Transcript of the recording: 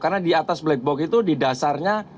karena di atas black box itu di dasarnya